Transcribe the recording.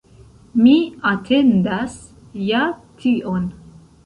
Mi atendas ja tion.